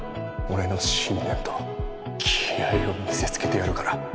俺の信念と気合を見せつけてやるから。